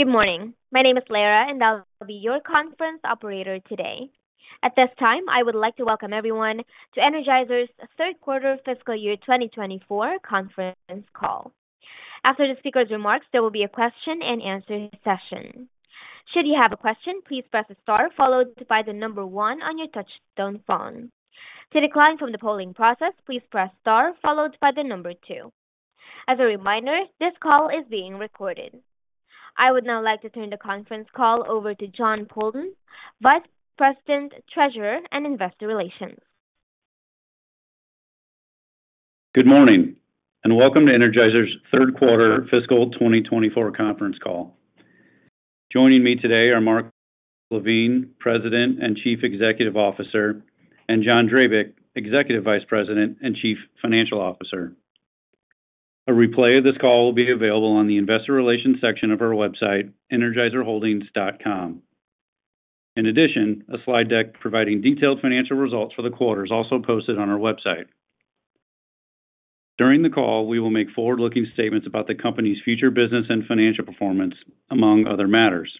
Good morning. My name is Lara, and I'll be your conference operator today. At this time, I would like to welcome everyone to Energizer's Third Quarter Fiscal Year 2024 Conference Call. After the speaker's remarks, there will be a question and answer session. Should you have a question, please press star followed by the number one on your touchtone phone. To decline from the polling process, please press star followed by the number two. As a reminder, this call is being recorded. I would now like to turn the conference call over to Jon Poulton, Vice President, Treasurer, and Investor Relations. Good morning, and welcome to Energizer's third quarter fiscal 2024 conference call. Joining me today are Mark LaVigne, President and Chief Executive Officer, and John Drabik, Executive Vice President and Chief Financial Officer. A replay of this call will be available on the investor relations section of our website, energizerholdings.com. In addition, a slide deck providing detailed financial results for the quarter is also posted on our website. During the call, we will make forward-looking statements about the company's future business and financial performance, among other matters.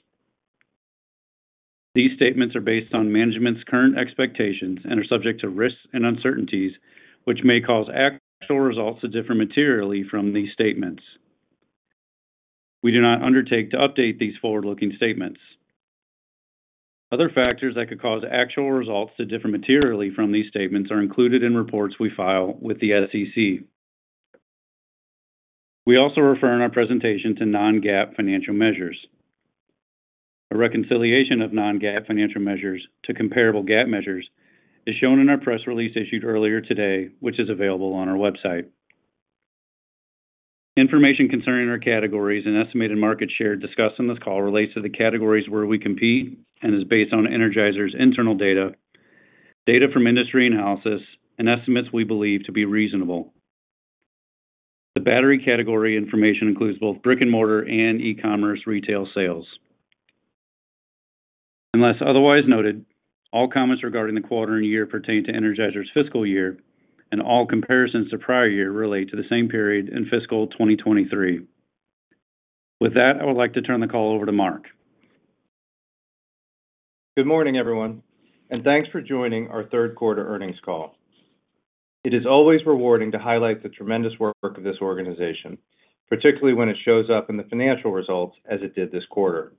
These statements are based on management's current expectations and are subject to risks and uncertainties, which may cause actual results to differ materially from these statements. We do not undertake to update these forward-looking statements. Other factors that could cause actual results to differ materially from these statements are included in reports we file with the SEC. We also refer in our presentation to non-GAAP financial measures. A reconciliation of non-GAAP financial measures to comparable GAAP measures is shown in our press release issued earlier today, which is available on our website. Information concerning our categories and estimated market share discussed on this call relates to the categories where we compete and is based on Energizer's internal data, data from industry analysis, and estimates we believe to be reasonable. The battery category information includes both brick-and-mortar and e-commerce retail sales. Unless otherwise noted, all comments regarding the quarter and year pertain to Energizer's fiscal year, and all comparisons to prior year relate to the same period in fiscal 2023. With that, I would like to turn the call over to Mark. Good morning, everyone, and thanks for joining our third quarter earnings call. It is always rewarding to highlight the tremendous work of this organization, particularly when it shows up in the financial results as it did this quarter.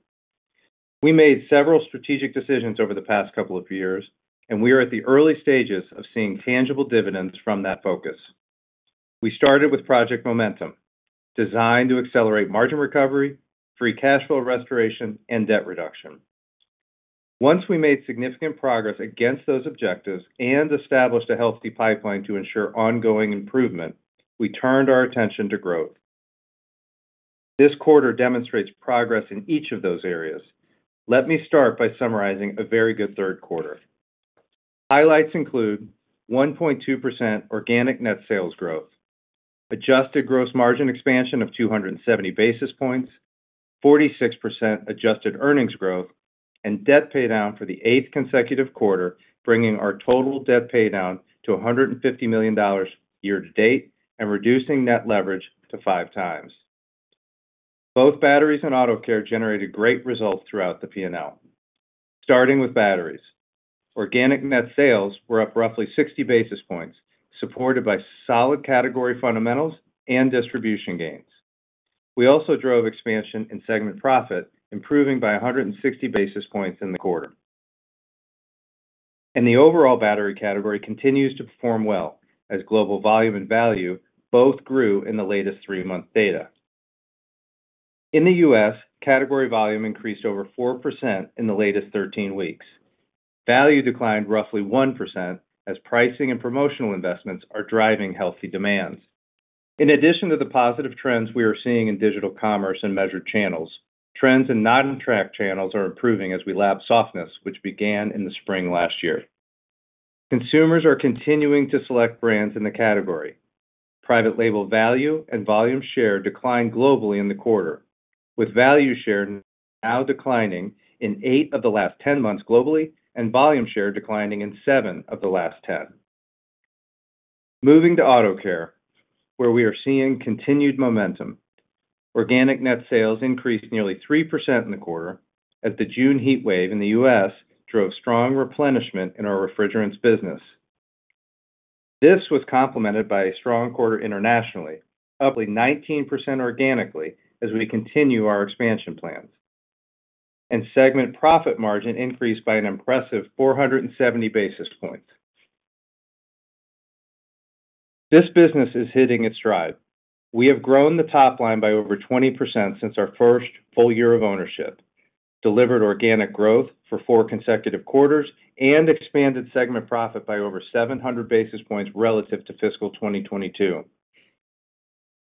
We made several strategic decisions over the past couple of years, and we are at the early stages of seeing tangible dividends from that focus. We started with Project Momentum, designed to accelerate margin recovery, free cash flow restoration, and debt reduction. Once we made significant progress against those objectives and established a healthy pipeline to ensure ongoing improvement, we turned our attention to growth. This quarter demonstrates progress in each of those areas. Let me start by summarizing a very good third quarter. Highlights include 1.2% organic net sales growth, adjusted gross margin expansion of 270 basis points, 46% adjusted earnings growth, and debt paydown for the eighth consecutive quarter, bringing our total debt paydown to $150 million year to date and reducing net leverage to five times. Both batteries and auto care generated great results throughout the P&L. Starting with batteries. Organic net sales were up roughly 60 basis points, supported by solid category fundamentals and distribution gains. We also drove expansion in segment profit, improving by 160 basis points in the quarter. And the overall battery category continues to perform well, as global volume and value both grew in the latest 3-month data. In the U.S., category volume increased over 4% in the latest 13 weeks. Value declined roughly 1%, as pricing and promotional investments are driving healthy demand. In addition to the positive trends we are seeing in digital commerce and measured channels, trends in non-tracked channels are improving as we lap softness, which began in the spring last year. Consumers are continuing to select brands in the category. Private label value and volume share declined globally in the quarter, with value share now declining in eight of the last 10 months globally, and volume share declining in seven of the last 10. Moving to Auto Care, where we are seeing continued momentum. Organic net sales increased nearly 3% in the quarter, as the June heat wave in the U.S. drove strong replenishment in our refrigerants business. This was complemented by a strong quarter internationally, up 19% organically as we continue our expansion plans, and segment profit margin increased by an impressive 470 basis points. This business is hitting its stride. We have grown the top line by over 20% since our first full year of ownership, delivered organic growth for four consecutive quarters, and expanded segment profit by over 700 basis points relative to fiscal 2022.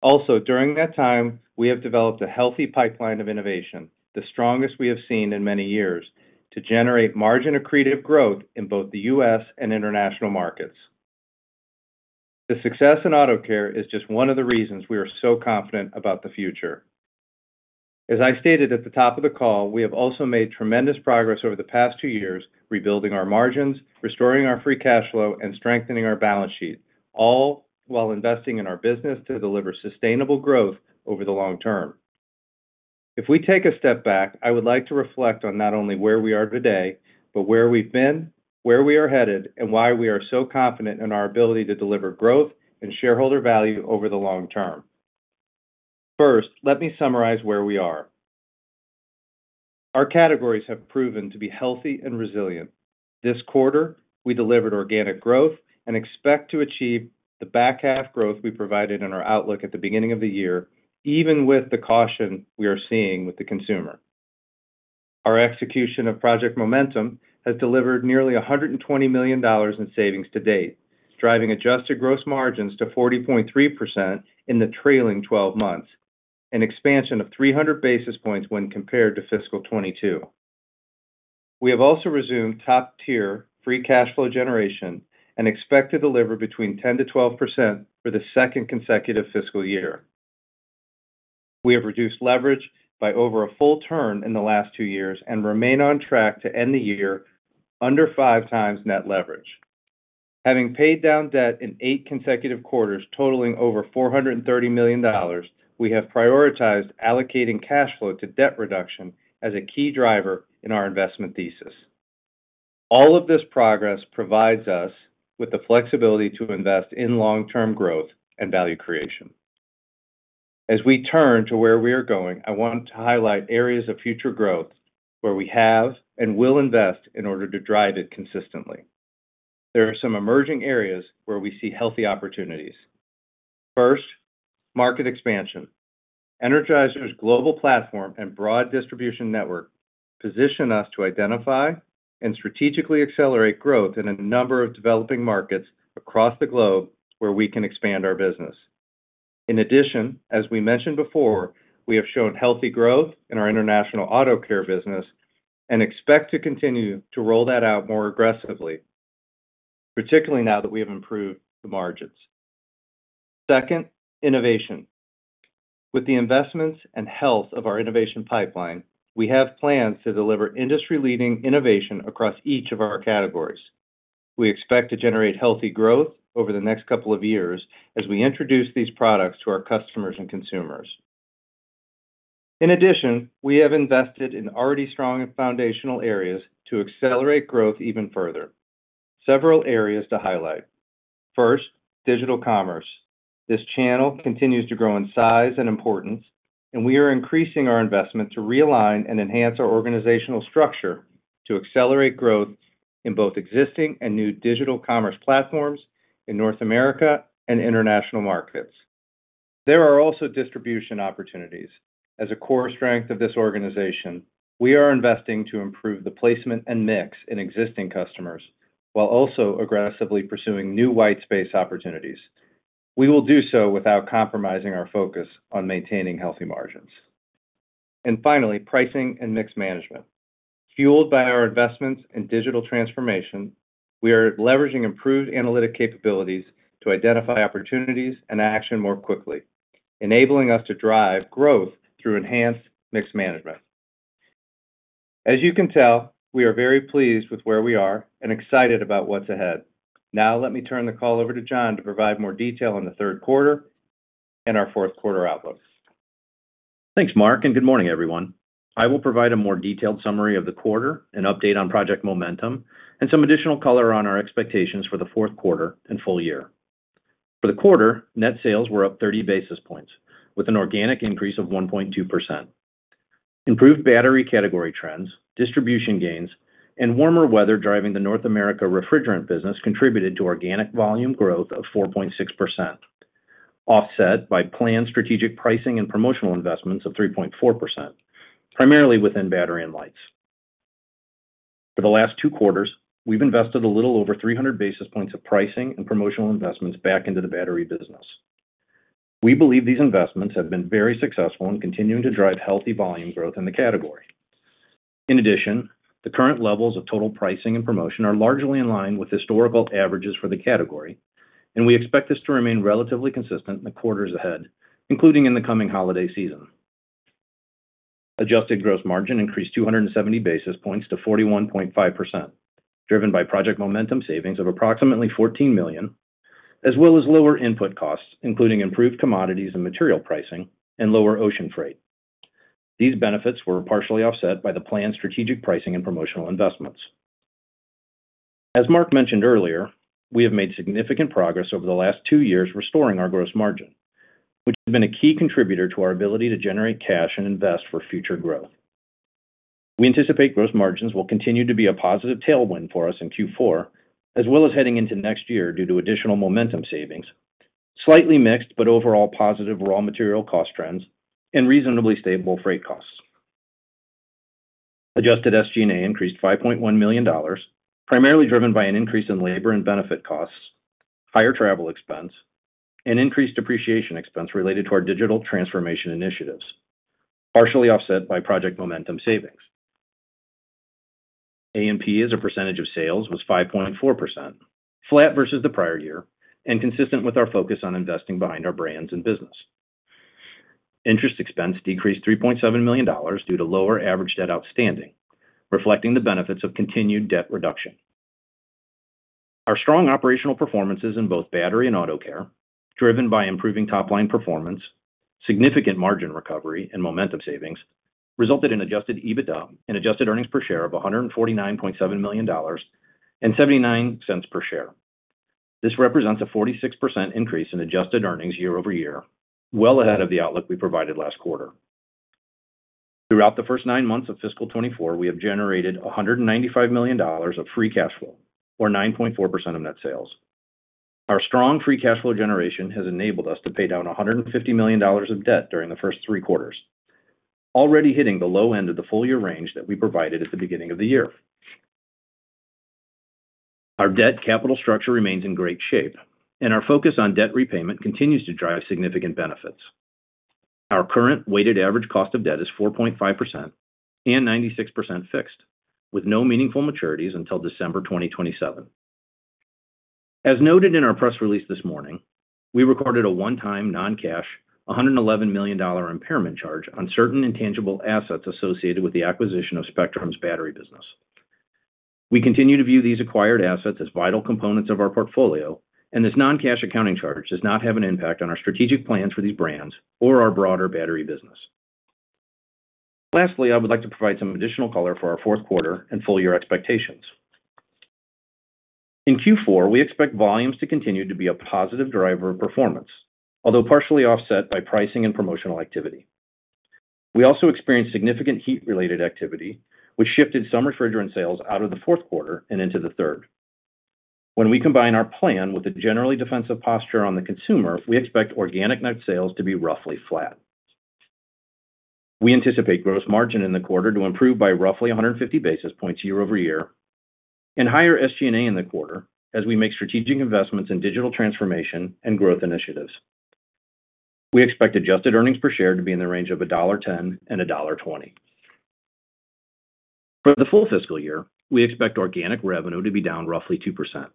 Also, during that time, we have developed a healthy pipeline of innovation, the strongest we have seen in many years, to generate margin accretive growth in both the U.S. and international markets. The success in auto care is just one of the reasons we are so confident about the future. As I stated at the top of the call, we have also made tremendous progress over the past two years, rebuilding our margins, restoring our free cash flow, and strengthening our balance sheet... all while investing in our business to deliver sustainable growth over the long term. If we take a step back, I would like to reflect on not only where we are today, but where we've been, where we are headed, and why we are so confident in our ability to deliver growth and shareholder value over the long term. First, let me summarize where we are. Our categories have proven to be healthy and resilient. This quarter, we delivered organic growth and expect to achieve the back half growth we provided in our outlook at the beginning of the year, even with the caution we are seeing with the consumer. Our execution of Project Momentum has delivered nearly $120 million in savings to date, driving adjusted gross margins to 40.3% in the trailing twelve months, an expansion of 300 basis points when compared to fiscal 2022. We have also resumed top-tier free cash flow generation and expect to deliver between 10%-12% for the second consecutive fiscal year. We have reduced leverage by over a full turn in the last two years and remain on track to end the year under 5x net leverage. Having paid down debt in eight consecutive quarters, totaling over $430 million, we have prioritized allocating cash flow to debt reduction as a key driver in our investment thesis. All of this progress provides us with the flexibility to invest in long-term growth and value creation. As we turn to where we are going, I want to highlight areas of future growth where we have and will invest in order to drive it consistently. There are some emerging areas where we see healthy opportunities. First, market expansion. Energizer's global platform and broad distribution network position us to identify and strategically accelerate growth in a number of developing markets across the globe where we can expand our business. In addition, as we mentioned before, we have shown healthy growth in our international Auto Care business and expect to continue to roll that out more aggressively, particularly now that we have improved the margins. Second, innovation. With the investments and health of our innovation pipeline, we have plans to deliver industry-leading innovation across each of our categories. We expect to generate healthy growth over the next couple of years as we introduce these products to our customers and consumers. In addition, we have invested in already strong and foundational areas to accelerate growth even further. Several areas to highlight. First, digital commerce. This channel continues to grow in size and importance, and we are increasing our investment to realign and enhance our organizational structure to accelerate growth in both existing and new digital commerce platforms in North America and international markets. There are also distribution opportunities. As a core strength of this organization, we are investing to improve the placement and mix in existing customers, while also aggressively pursuing new white space opportunities. We will do so without compromising our focus on maintaining healthy margins. And finally, pricing and mix management. Fueled by our investments in digital transformation, we are leveraging improved analytic capabilities to identify opportunities and action more quickly, enabling us to drive growth through enhanced mix management. As you can tell, we are very pleased with where we are and excited about what's ahead. Now let me turn the call over to John to provide more detail on the third quarter and our fourth quarter outlook. Thanks, Mark, and good morning, everyone. I will provide a more detailed summary of the quarter, an update on Project Momentum, and some additional color on our expectations for the fourth quarter and full year. For the quarter, net sales were up 30 basis points, with an organic increase of 1.2%. Improved battery category trends, distribution gains, and warmer weather driving the North America refrigerant business contributed to organic volume growth of 4.6%, offset by planned strategic pricing and promotional investments of 3.4%, primarily within battery and lights. For the last two quarters, we've invested a little over 300 basis points of pricing and promotional investments back into the battery business. We believe these investments have been very successful in continuing to drive healthy volume growth in the category. In addition, the current levels of total pricing and promotion are largely in line with historical averages for the category, and we expect this to remain relatively consistent in the quarters ahead, including in the coming holiday season. Adjusted Gross Margin increased 270 basis points to 41.5%, driven by Project Momentum savings of approximately $14 million, as well as lower input costs, including improved commodities and material pricing and lower ocean freight. These benefits were partially offset by the planned strategic pricing and promotional investments. As Mark mentioned earlier, we have made significant progress over the last two years restoring our gross margin, which has been a key contributor to our ability to generate cash and invest for future growth. We anticipate gross margins will continue to be a positive tailwind for us in Q4, as well as heading into next year due to additional Project Momentum savings, slightly mixed, but overall positive raw material cost trends and reasonably stable freight costs. Adjusted SG&A increased $5.1 million, primarily driven by an increase in labor and benefit costs, higher travel expense, and increased depreciation expense related to our digital transformation initiatives, partially offset by Project Momentum savings. A&P as a percentage of sales was 5.4%, flat versus the prior year and consistent with our focus on investing behind our brands and business. Interest expense decreased $3.7 million due to lower average debt outstanding, reflecting the benefits of continued debt reduction. Our strong operational performances in both battery and auto care, driven by improving top-line performance, significant margin recovery and Momentum savings, resulted in adjusted EBITDA and adjusted earnings per share of $149.7 million and $0.79 per share. This represents a 46% increase in adjusted earnings year-over-year, well ahead of the outlook we provided last quarter. Throughout the first nine months of fiscal 2024, we have generated $195 million of free cash flow, or 9.4% of net sales. Our strong free cash flow generation has enabled us to pay down $150 million of debt during the first three quarters, already hitting the low end of the full year range that we provided at the beginning of the year. Our debt capital structure remains in great shape, and our focus on debt repayment continues to drive significant benefits. Our current weighted average cost of debt is 4.5% and 96% fixed, with no meaningful maturities until December 2027. As noted in our press release this morning, we recorded a one-time non-cash $111 million impairment charge on certain intangible assets associated with the acquisition of Spectrum's battery business. We continue to view these acquired assets as vital components of our portfolio, and this non-cash accounting charge does not have an impact on our strategic plans for these brands or our broader battery business. Lastly, I would like to provide some additional color for our fourth quarter and full year expectations. In Q4, we expect volumes to continue to be a positive driver of performance, although partially offset by pricing and promotional activity. We also experienced significant heat-related activity, which shifted some refrigerant sales out of the fourth quarter and into the third. When we combine our plan with a generally defensive posture on the consumer, we expect organic net sales to be roughly flat. We anticipate gross margin in the quarter to improve by roughly 150 basis points year-over-year, and higher SG&A in the quarter as we make strategic investments in digital transformation and growth initiatives. We expect adjusted earnings per share to be in the range of $1.10-$1.20. For the full fiscal year, we expect organic revenue to be down roughly 2%.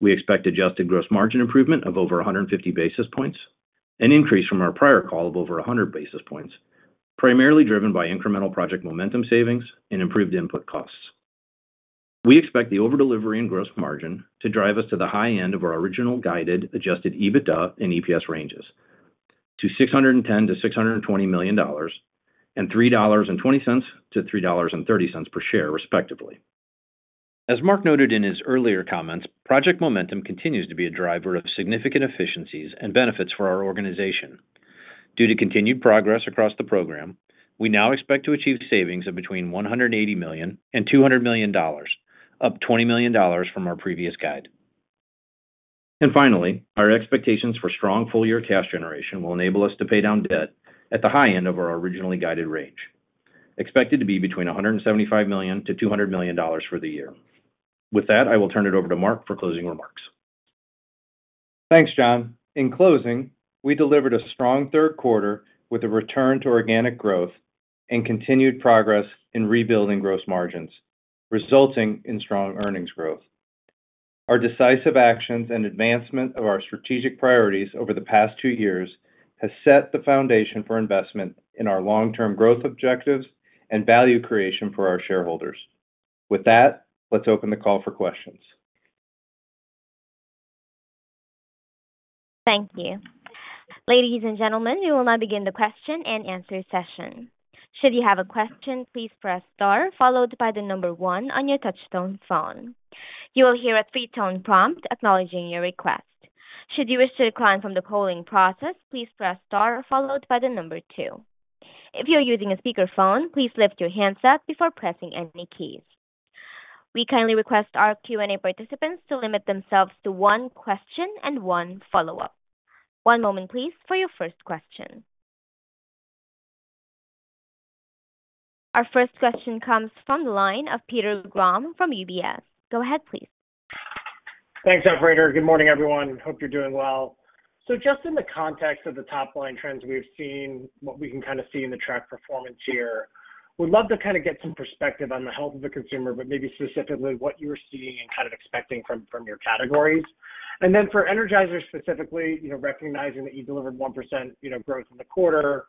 We expect adjusted gross margin improvement of over 150 basis points, an increase from our prior call of over 100 basis points, primarily driven by incremental Project Momentum savings and improved input costs. We expect the over-delivery and gross margin to drive us to the high end of our original guided adjusted EBITDA and EPS ranges to $610 million-$620 million and $3.20-$3.30 per share, respectively. As Mark noted in his earlier comments, Project Momentum continues to be a driver of significant efficiencies and benefits for our organization. Due to continued progress across the program, we now expect to achieve savings of between $180 million and $200 million, up $20 million from our previous guide. Finally, our expectations for strong full-year cash generation will enable us to pay down debt at the high end of our originally guided range, expected to be between $175 million-$200 million for the year. With that, I will turn it over to Mark for closing remarks. Thanks, John. In closing, we delivered a strong third quarter with a return to organic growth and continued progress in rebuilding gross margins, resulting in strong earnings growth. Our decisive actions and advancement of our strategic priorities over the past two years has set the foundation for investment in our long-term growth objectives and value creation for our shareholders. With that, let's open the call for questions. Thank you. Ladies and gentlemen, we will now begin the question and answer session. Should you have a question, please press star followed by the number one on your touch-tone phone. You will hear a three-tone prompt acknowledging your request. Should you wish to decline from the polling process, please press star followed by the number two. If you're using a speakerphone, please lift your handset before pressing any keys. We kindly request our Q&A participants to limit themselves to one question and one follow-up. One moment, please, for your first question. Our first question comes from the line of Peter Grom from UBS. Go ahead, please. Thanks, operator. Good morning, everyone. Hope you're doing well. So just in the context of the top-line trends, we've seen what we can kind of see in the track performance here. Would love to kind of get some perspective on the health of the consumer, but maybe specifically what you're seeing and kind of expecting from, from your categories. And then for Energizer specifically, you know, recognizing that you delivered 1% growth in the quarter,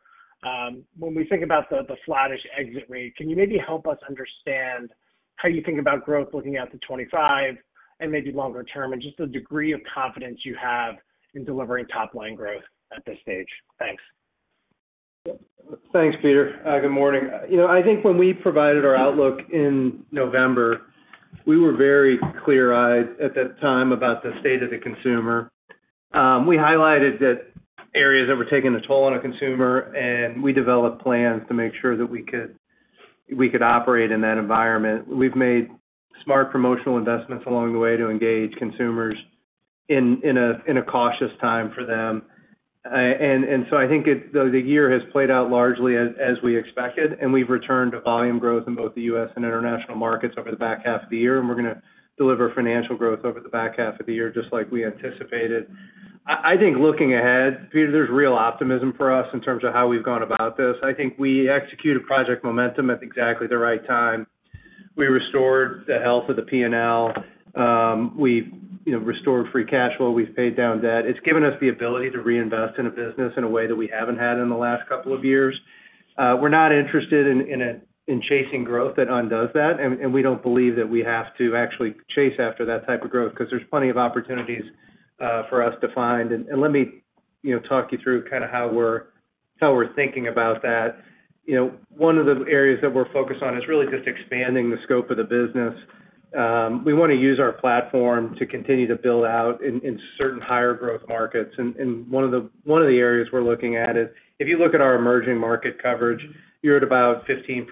when we think about the, the flattish exit rate, can you maybe help us understand how you think about growth looking out to 2025 and maybe longer term, and just the degree of confidence you have in delivering top-line growth at this stage? Thanks. Thanks, Peter. Good morning. You know, I think when we provided our outlook in November, we were very clear-eyed at that time about the state of the consumer. We highlighted that areas that were taking a toll on a consumer, and we developed plans to make sure that we could operate in that environment. We've made smart promotional investments along the way to engage consumers in a cautious time for them. And so I think the year has played out largely as we expected, and we've returned to volume growth in both the U.S. and international markets over the back half of the year, and we're gonna deliver financial growth over the back half of the year, just like we anticipated. I think looking ahead, Peter, there's real optimism for us in terms of how we've gone about this. I think we executed Project Momentum at exactly the right time. We restored the health of the P&L. You know, we've restored free cash flow. We've paid down debt. It's given us the ability to reinvest in a business in a way that we haven't had in the last couple of years. We're not interested in chasing growth that undoes that, and we don't believe that we have to actually chase after that type of growth, 'cause there's plenty of opportunities for us to find. Let me, you know, talk you through kinda how we're thinking about that. You know, one of the areas that we're focused on is really just expanding the scope of the business. We wanna use our platform to continue to build out in certain higher growth markets. One of the areas we're looking at is, if you look at our emerging market coverage, you're at about 15%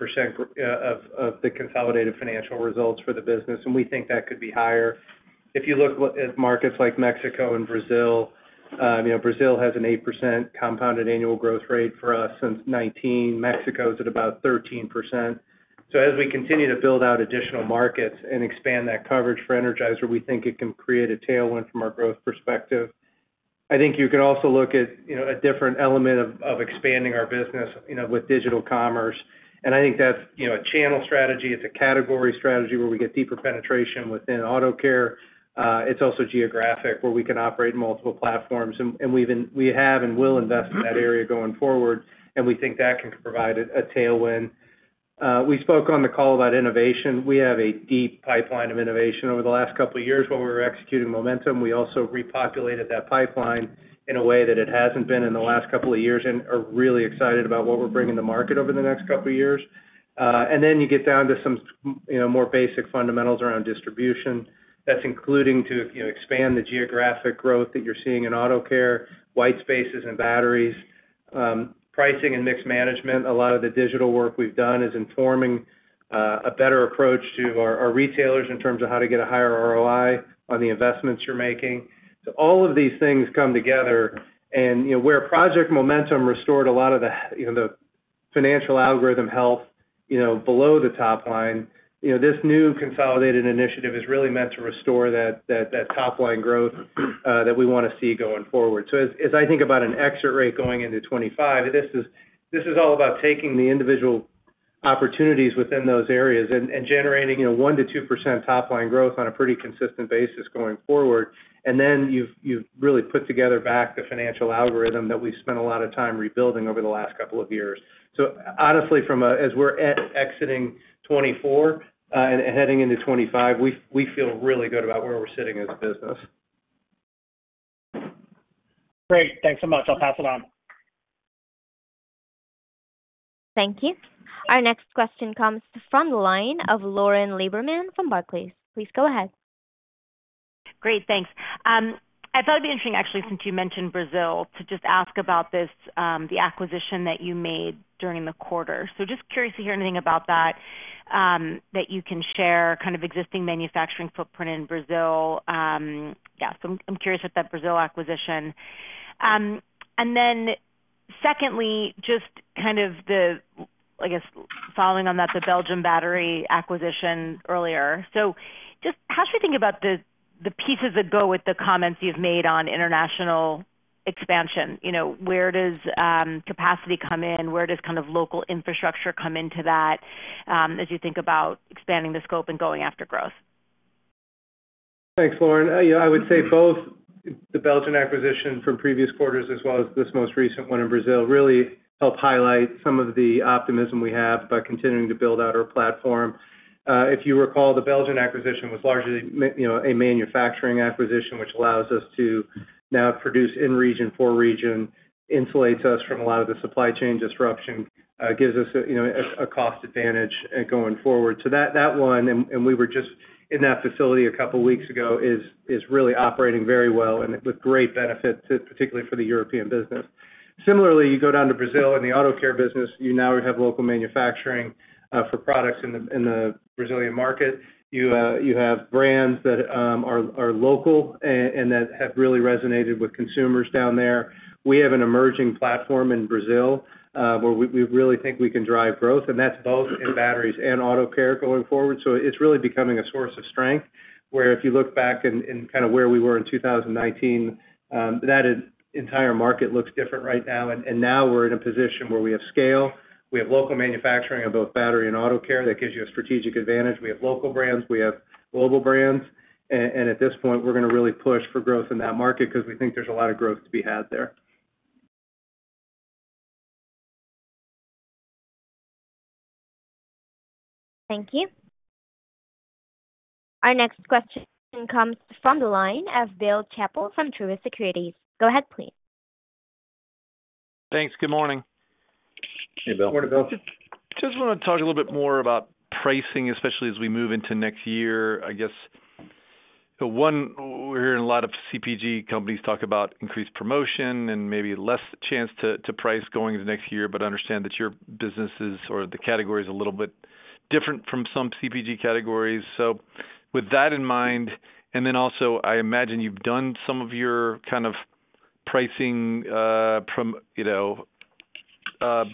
of the consolidated financial results for the business, and we think that could be higher. If you look at markets like Mexico and Brazil, you know, Brazil has an 8% compounded annual growth rate for us since 2019. Mexico is at about 13%. So as we continue to build out additional markets and expand that coverage for Energizer, we think it can create a tailwind from our growth perspective. I think you can also look at, you know, a different element of expanding our business, you know, with digital commerce. I think that's, you know, a channel strategy. It's a category strategy where we get deeper penetration within auto care. It's also geographic, where we can operate multiple platforms, and we have and will invest in that area going forward, and we think that can provide a tailwind. We spoke on the call about innovation. We have a deep pipeline of innovation. Over the last couple of years, while we were executing Momentum, we also repopulated that pipeline in a way that it hasn't been in the last couple of years and are really excited about what we're bringing to market over the next couple of years. And then you get down to some, you know, more basic fundamentals around distribution. That's including to, you know, expand the geographic growth that you're seeing in auto care, white spaces and batteries. Pricing and mixed management. A lot of the digital work we've done is informing a better approach to our, our retailers in terms of how to get a higher ROI on the investments you're making. So all of these things come together, and, you know, where Project Momentum restored a lot of the, you know, the financial algorithm health, you know, below the top line, you know, this new consolidated initiative is really meant to restore that, that, that top line growth, that we wanna see going forward. So as, as I think about an exit rate going into 2025, this is, this is all about taking the individual opportunities within those areas and, and generating, you know, 1%-2% top line growth on a pretty consistent basis going forward. And then you've really put together back the financial algorithm that we've spent a lot of time rebuilding over the last couple of years. So honestly, from a—as we're at exiting 2024, and heading into 2025, we feel really good about where we're sitting as a business. Great. Thanks so much. I'll pass it on. Thank you. Our next question comes from the line of Lauren Lieberman from Barclays. Please go ahead. Great, thanks. I thought it'd be interesting, actually, since you mentioned Brazil, to just ask about this, the acquisition that you made during the quarter. So just curious to hear anything about that, that you can share, kind of existing manufacturing footprint in Brazil. Yeah, so I'm curious about that Brazil acquisition. And then secondly, just kind of, I guess, following on that, the Belgium battery acquisition earlier. So just how should we think about the pieces that go with the comments you've made on international expansion? You know, where does capacity come in? Where does kind of local infrastructure come into that, as you think about expanding the scope and going after growth? Thanks, Lauren. Yeah, I would say both the Belgian acquisition from previous quarters, as well as this most recent one in Brazil, really help highlight some of the optimism we have by continuing to build out our platform. If you recall, the Belgian acquisition was largely you know, a manufacturing acquisition, which allows us to now produce in region, for region, insulates us from a lot of the supply chain disruption, gives us a, you know, a cost advantage, going forward. So that one, and we were just in that facility a couple weeks ago, is really operating very well and with great benefit to- particularly for the European business. Similarly, you go down to Brazil, in the auto care business, you now have local manufacturing, for products in the, in the Brazilian market. You have brands that are local and that have really resonated with consumers down there. We have an emerging platform in Brazil, where we really think we can drive growth, and that's both in batteries and auto care going forward. So it's really becoming a source of strength, where if you look back and kind of where we were in 2019, that entire market looks different right now. And now we're in a position where we have scale, we have local manufacturing of both battery and auto care. That gives you a strategic advantage. We have local brands, we have global brands, and at this point, we're gonna really push for growth in that market because we think there's a lot of growth to be had there. Thank you. Our next question comes from the line of Bill Chappell from Truist Securities. Go ahead, please. Thanks. Good morning. Hey, Bill. Just wanna talk a little bit more about pricing, especially as we move into next year. I guess, so one, we're hearing a lot of CPG companies talk about increased promotion and maybe less chance to price going into next year, but understand that your businesses or the category is a little bit different from some CPG categories. So with that in mind, and then also, I imagine you've done some of your, kind of, pricing from, you know,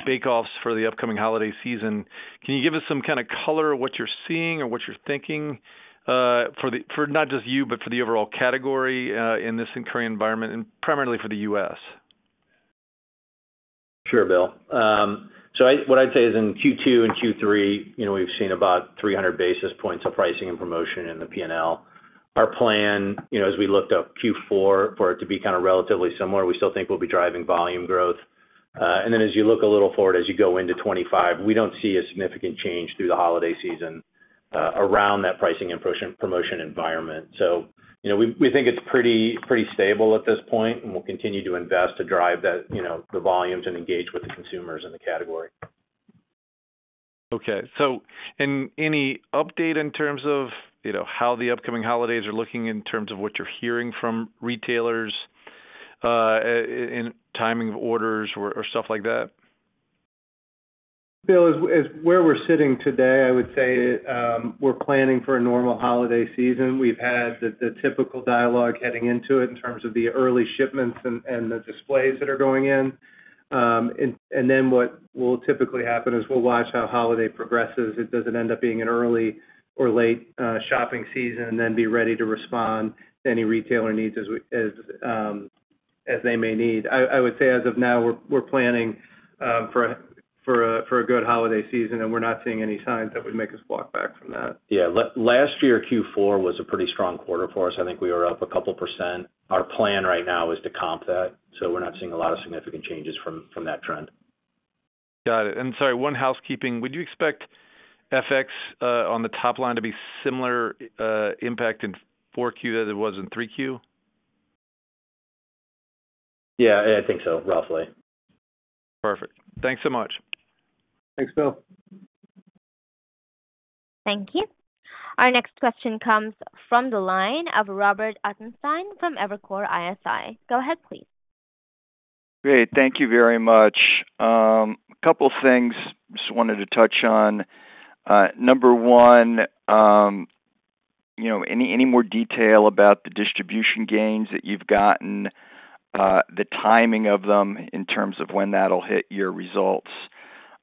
bake offs for the upcoming holiday season. Can you give us some kind of color of what you're seeing or what you're thinking for not just you, but for the overall category in this uncertain environment, and primarily for the U.S.?... Sure, Bill. So I, what I'd say is in Q2 and Q3, you know, we've seen about 300 basis points of pricing and promotion in the P&L. Our plan, you know, as we looked up Q4, for it to be kind of relatively similar, we still think we'll be driving volume growth. And then as you look a little forward, as you go into 2025, we don't see a significant change through the holiday season around that pricing and promotion environment. So, you know, we, we think it's pretty, pretty stable at this point, and we'll continue to invest to drive that, you know, the volumes and engage with the consumers in the category. Okay. So, and any update in terms of, you know, how the upcoming holidays are looking in terms of what you're hearing from retailers, in timing of orders or stuff like that? Bill, as where we're sitting today, I would say, we're planning for a normal holiday season. We've had the typical dialogue heading into it in terms of the early shipments and the displays that are going in. And then what will typically happen is we'll watch how holiday progresses. It doesn't end up being an early or late shopping season, and then be ready to respond to any retailer needs as they may need. I would say, as of now, we're planning for a good holiday season, and we're not seeing any signs that would make us walk back from that. Yeah, last year, Q4 was a pretty strong quarter for us. I think we were up a couple percent. Our plan right now is to comp that, so we're not seeing a lot of significant changes from that trend. Got it. And sorry, one housekeeping. Would you expect FX on the top line to be similar impact in Q4 as it was in Q3? Yeah, I think so, roughly. Perfect. Thanks so much. Thanks, Bill. Thank you. Our next question comes from the line of Robert Ottenstein from Evercore ISI. Go ahead, please. Great, thank you very much. Couple things just wanted to touch on. Number one, you know, any more detail about the distribution gains that you've gotten, the timing of them in terms of when that'll hit your results?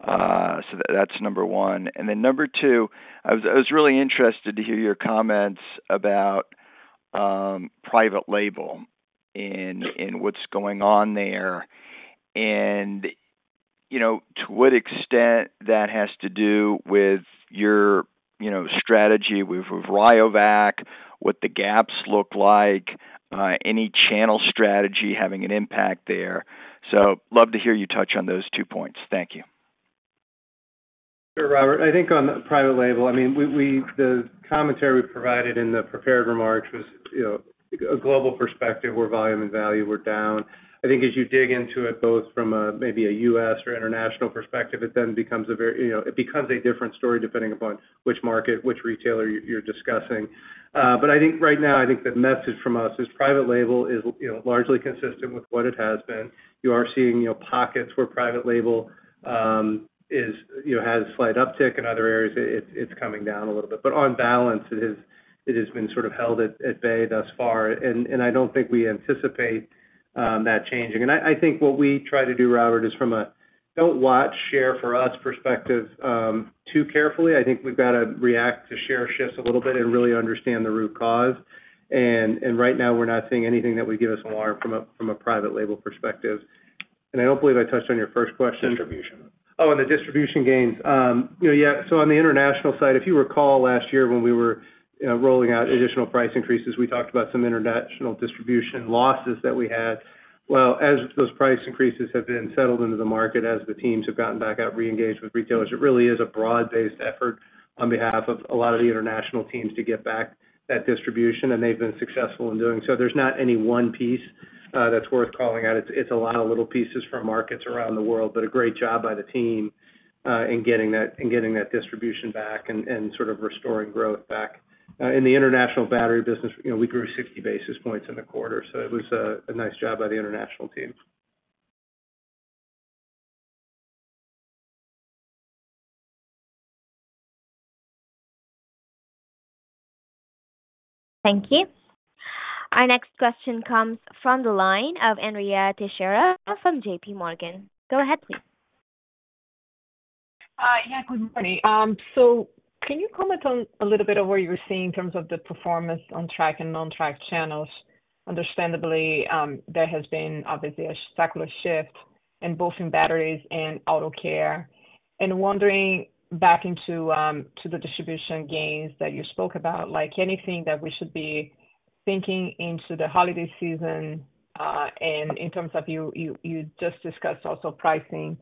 So that's number one. And then number two, I was really interested to hear your comments about private label and what's going on there. And, you know, to what extent that has to do with your, you know, strategy with Rayovac, what the gaps look like, any channel strategy having an impact there. So love to hear you touch on those two points. Thank you. Sure, Robert. I think on the private label, I mean, we, the commentary we provided in the prepared remarks was, you know, a global perspective where volume and value were down. I think as you dig into it, both from a, maybe a U.S. or international perspective, it then becomes a very, you know, it becomes a different story, depending upon which market, which retailer you're discussing. But I think right now, I think the message from us is private label is, you know, largely consistent with what it has been. You are seeing, you know, pockets where private label is, you know, has a slight uptick. In other areas, it's coming down a little bit. But on balance, it has been sort of held at bay thus far, and I don't think we anticipate that changing. And I, I think what we try to do, Robert, is from a market share for us perspective, too carefully. I think we've got to react to share shifts a little bit and really understand the root cause. And right now, we're not seeing anything that would give us an alarm from a private label perspective. And I don't believe I touched on your first question. Distribution. Oh, and the distribution gains. You know, yeah, so on the international side, if you recall last year, when we were, you know, rolling out additional price increases, we talked about some international distribution losses that we had. Well, as those price increases have been settled into the market, as the teams have gotten back out, reengaged with retailers, it really is a broad-based effort on behalf of a lot of the international teams to get back that distribution, and they've been successful in doing so. There's not any one piece that's worth calling out. It's a lot of little pieces from markets around the world, but a great job by the team in getting that distribution back and sort of restoring growth back. In the international battery business, you know, we grew 60 basis points in the quarter, so it was a nice job by the international team. Thank you. Our next question comes from the line of Andrea Teixeira from J.P. Morgan. Go ahead, please. Yeah, good morning. So can you comment on a little bit of what you're seeing in terms of the performance on track and non-track channels? Understandably, there has been obviously a secular shift in both batteries and auto care. Wondering back into to the distribution gains that you spoke about, like anything that we should be thinking into the holiday season, and in terms of you just discussed also pricing,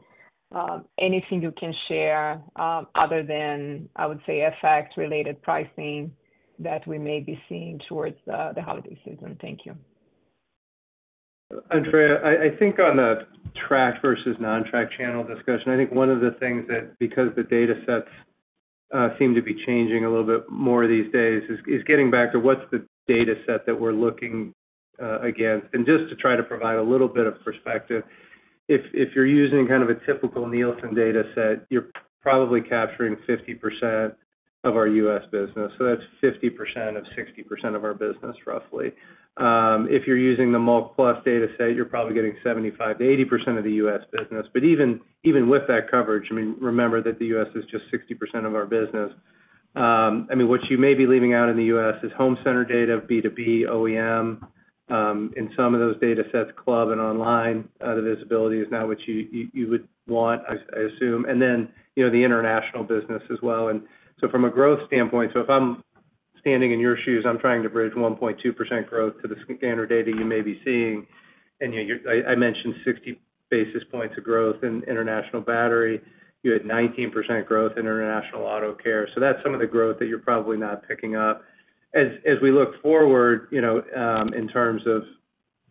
anything you can share, other than, I would say, effect-related pricing that we may be seeing towards the holiday season? Thank you. Andrea, I think on the track versus non-track channel discussion, I think one of the things that, because the data sets seem to be changing a little bit more these days, is getting back to what's the data set that we're looking against. And just to try to provide a little bit of perspective, if you're using kind of a typical Nielsen data set, you're probably capturing 50% of our U.S. business, so that's 50% of 60% of our business, roughly. If you're using the MULO+ data set, you're probably getting 75%-80% of the U.S. business. But even with that coverage, I mean, remember that the U.S. is just 60% of our business. I mean, what you may be leaving out in the U.S. is home center data, B2B, OEM.... In some of those data sets, club and online, the visibility is not what you would want, I assume, and then, you know, the international business as well. And so from a growth standpoint, so if I'm standing in your shoes, I'm trying to bridge 1.2% growth to the standard data you may be seeing, and I mentioned 60 basis points of growth in international battery. You had 19% growth in international Auto Care. So that's some of the growth that you're probably not picking up. As we look forward, you know, in terms of,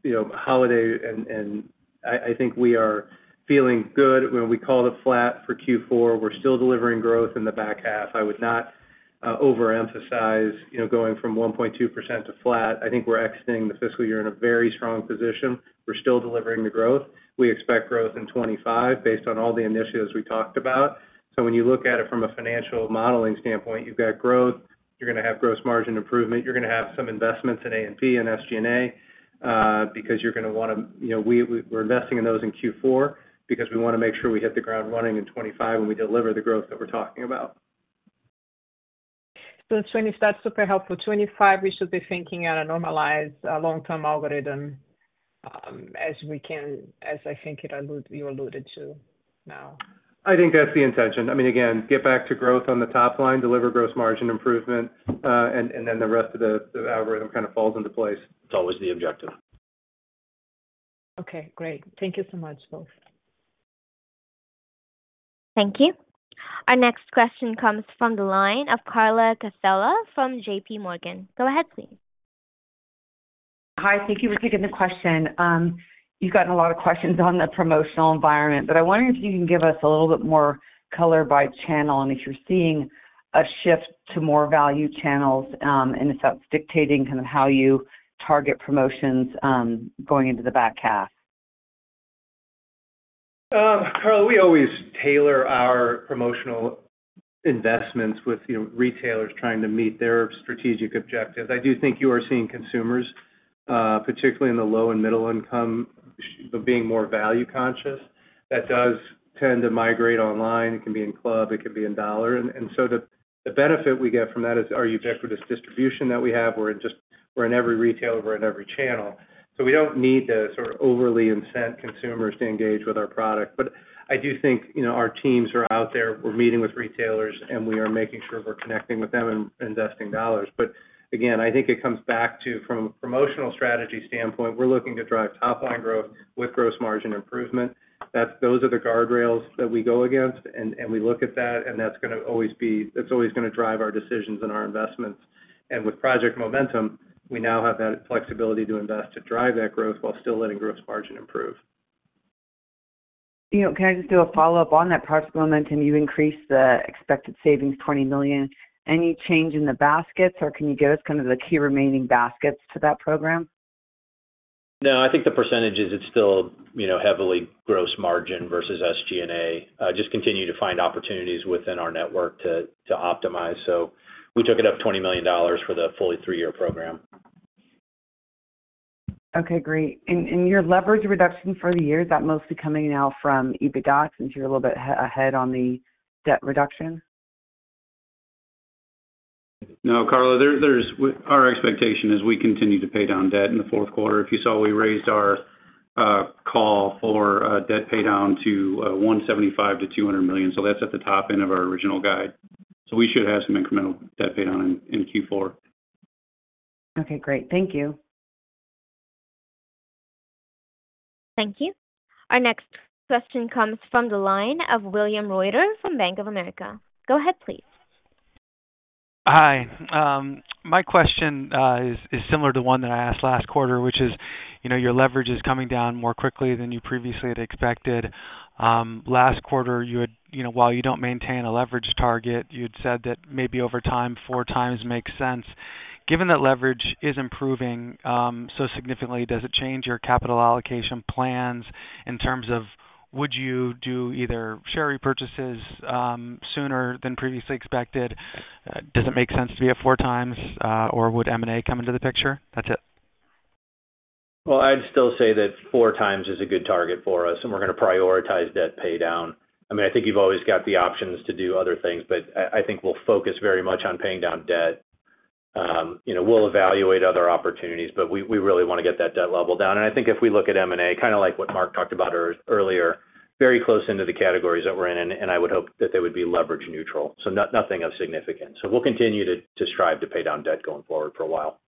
you know, holiday, and I think we are feeling good. When we called it flat for Q4, we're still delivering growth in the back half. I would not overemphasize, you know, going from 1.2% to flat. I think we're exiting the fiscal year in a very strong position. We're still delivering the growth. We expect growth in 2025 based on all the initiatives we talked about. So when you look at it from a financial modeling standpoint, you've got growth, you're gonna have gross margin improvement, you're gonna have some investments in A&P and SG&A, because you're gonna wanna, you know, we, we're investing in those in Q4 because we wanna make sure we hit the ground running in 2025, and we deliver the growth that we're talking about. That's super helpful. 2025, we should be thinking at a normalized long-term algorithm, as we can, as I think you alluded to now. I think that's the intention. I mean, again, get back to growth on the top line, deliver gross margin improvement, and then the rest of the algorithm kind of falls into place. It's always the objective. Okay, great. Thank you so much, both. Thank you. Our next question comes from the line of Carla Casella from J.P. Morgan. Go ahead, please. Hi, thank you for taking the question. You've gotten a lot of questions on the promotional environment, but I wonder if you can give us a little bit more color by channel and if you're seeing a shift to more value channels, and if that's dictating kind of how you target promotions, going into the back half? Carla, we always tailor our promotional investments with, you know, retailers trying to meet their strategic objectives. I do think you are seeing consumers, particularly in the low and middle income, being more value conscious. That does tend to migrate online. It can be in club, it can be in dollar. And so the benefit we get from that is our ubiquitous distribution that we have, where just we're in every retailer, we're in every channel. So we don't need to sort of overly incent consumers to engage with our product. But I do think, you know, our teams are out there, we're meeting with retailers, and we are making sure we're connecting with them and investing dollars. But again, I think it comes back to, from a promotional strategy standpoint, we're looking to drive top line growth with gross margin improvement. Those are the guardrails that we go against, and we look at that, and that's gonna always be... That's always gonna drive our decisions and our investments. And with Project Momentum, we now have that flexibility to invest, to drive that growth while still letting gross margin improve. You know, can I just do a follow-up on that Project Momentum? You increased the expected savings, $20 million. Any change in the baskets, or can you give us kind of the key remaining baskets to that program? No, I think the percentage is. It's still, you know, heavily gross margin versus SG&A. Just continue to find opportunities within our network to optimize. So we took it up $20 million for the fully three-year program. Okay, great. And, and your leverage reduction for the year, is that mostly coming now from EBITDA, since you're a little bit ahead on the debt reduction? No, Carla, our expectation is we continue to pay down debt in the fourth quarter. If you saw, we raised our call for debt paydown to $175 million-$200 million. So that's at the top end of our original guide. So we should have some incremental debt paydown in Q4. Okay, great. Thank you. Thank you. Our next question comes from the line of William Reuter from Bank of America. Go ahead, please. Hi. My question is similar to one that I asked last quarter, which is, you know, your leverage is coming down more quickly than you previously had expected. Last quarter, you had you know, while you don't maintain a leverage target, you'd said that maybe over time, four times makes sense. Given that leverage is improving so significantly, does it change your capital allocation plans in terms of would you do either share repurchases sooner than previously expected? Does it make sense to be at four times, or would M&A come into the picture? That's it. Well, I'd still say that four times is a good target for us, and we're gonna prioritize debt paydown. I mean, I think you've always got the options to do other things, but I think we'll focus very much on paying down debt. You know, we'll evaluate other opportunities, but we really wanna get that debt level down. And I think if we look at M&A, kind of like what Mark talked about earlier, very close into the categories that we're in, and I would hope that they would be leverage neutral, so nothing of significance. So we'll continue to strive to pay down debt going forward for a while.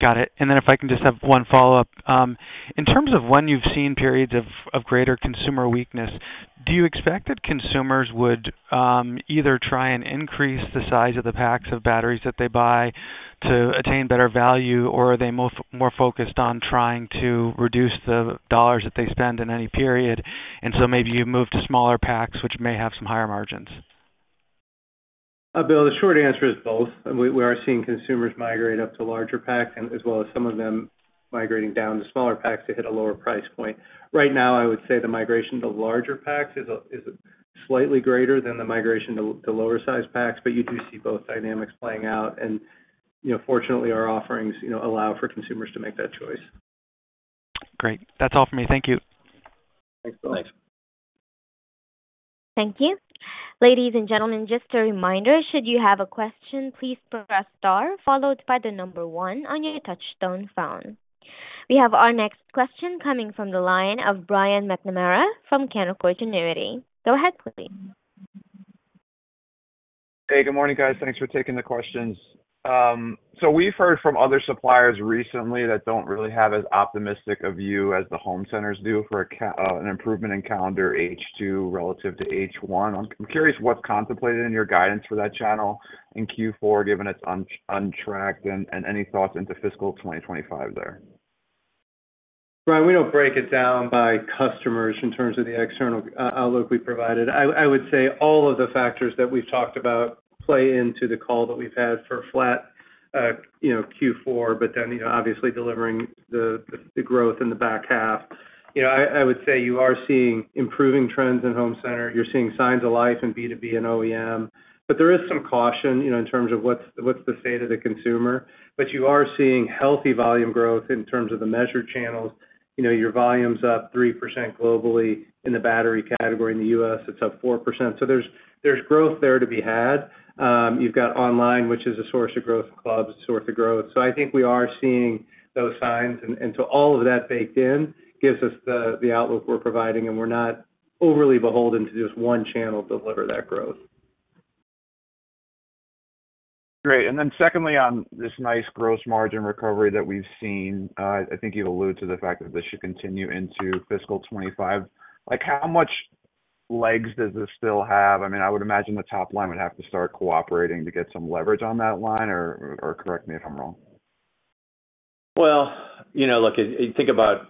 Got it. And then if I can just have one follow-up. In terms of when you've seen periods of greater consumer weakness, do you expect that consumers would either try and increase the size of the packs of batteries that they buy to attain better value, or are they more focused on trying to reduce the dollars that they spend in any period, and so maybe you move to smaller packs, which may have some higher margins? Bill, the short answer is both. We are seeing consumers migrate up to larger packs, and as well as some of them migrating down to smaller packs to hit a lower price point. Right now, I would say the migration to larger packs is slightly greater than the migration to lower sized packs, but you do see both dynamics playing out. And, you know, fortunately, our offerings, you know, allow for consumers to make that choice. Great. That's all for me. Thank you. Thanks, Bill. Thanks.... Thank you. Ladies and gentlemen, just a reminder, should you have a question, please press star followed by the number one on your touchtone phone. We have our next question coming from the line of Brian McNamara from Canaccord Genuity. Go ahead, please. Hey, good morning, guys. Thanks for taking the questions. So we've heard from other suppliers recently that don't really have as optimistic a view as the home centers do for an improvement in calendar H2 relative to H1. I'm curious what's contemplated in your guidance for that channel in Q4, given it's untracked, and any thoughts into fiscal 2025 there? Brian, we don't break it down by customers in terms of the external outlook we provided. I would say all of the factors that we've talked about play into the call that we've had for flat, you know, Q4, but then, you know, obviously delivering the growth in the back half. You know, I would say you are seeing improving trends in home center. You're seeing signs of life in B2B and OEM, but there is some caution, you know, in terms of what's the state of the consumer. But you are seeing healthy volume growth in terms of the measured channels. You know, your volume's up 3% globally in the battery category. In the U.S., it's up 4%. So there's growth there to be had. You've got online, which is a source of growth, club's a source of growth. So I think we are seeing those signs, and so all of that baked in gives us the outlook we're providing, and we're not overly beholden to just one channel to deliver that growth. Great. Then secondly, on this nice gross margin recovery that we've seen, I think you've alluded to the fact that this should continue into fiscal 2025. Like, how much legs does this still have? I mean, I would imagine the top line would have to start cooperating to get some leverage on that line, or correct me if I'm wrong. Well, you know, look, if you think about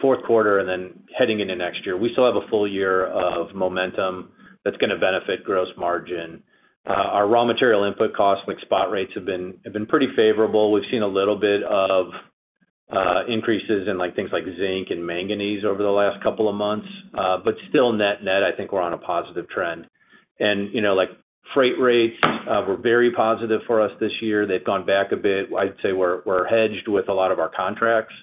fourth quarter and then heading into next year, we still have a full year of Momentum that's gonna benefit gross margin. Our raw material input costs, like spot rates, have been pretty favorable. We've seen a little bit of increases in, like, things like zinc and manganese over the last couple of months. But still, net-net, I think we're on a positive trend. And, you know, like, freight rates were very positive for us this year. They've gone back a bit. I'd say we're hedged with a lot of our contracts,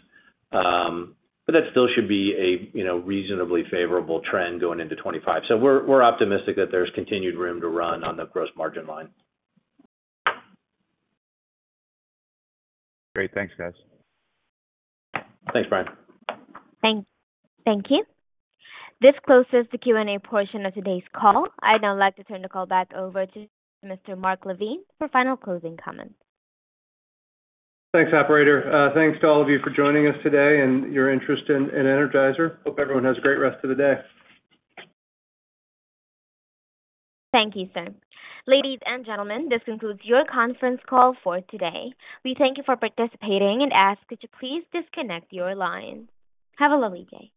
but that still should be, you know, reasonably favorable trend going into 2025. So we're optimistic that there's continued room to run on the gross margin line. Great. Thanks, guys. Thanks, Brian. Thank you. This closes the Q&A portion of today's call. I'd now like to turn the call back over to Mr. Mark LaVigne for final closing comments. Thanks, operator. Thanks to all of you for joining us today and your interest in Energizer. Hope everyone has a great rest of the day. Thank you, sir. Ladies and gentlemen, this concludes your conference call for today. We thank you for participating and ask that you please disconnect your line. Have a lovely day.